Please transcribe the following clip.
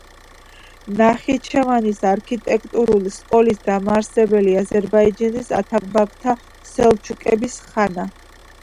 ნახიჩევანის არქიტექტორული სკოლის დამაარსებელი, აზერბაიჯანის ათაბაგთა სელჩუკების ხანა.